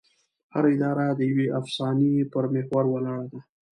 هره اداره د یوې افسانې پر محور ولاړه ده.